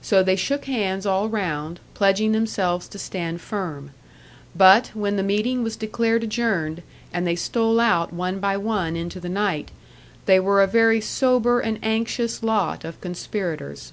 So they shook hands all round, pledging themselves to stand firm. But, when the meeting was declared adjourned, and they stole out one by one into the night, they were a very sober and anxious lot of conspirators.